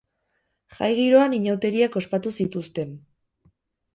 Jai giroan inauteriak ospatu zituzten.